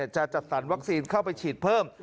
จะจัดสรรวัคซีนเข้าไปฉีดเพิ่ม